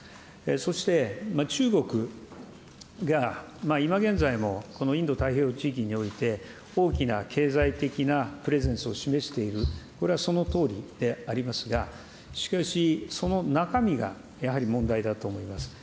そして中国が今現在も、このインド太平洋地域において、大きな経済的なプレゼンスを示している、これはそのとおりでありますが、しかし、その中身がやはり問題だと思います。